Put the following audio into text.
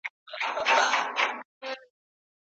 نن به توره د خوشحال راوړي رنګونه